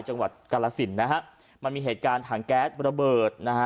จังหวัดกาลสินนะฮะมันมีเหตุการณ์ถังแก๊สระเบิดนะฮะ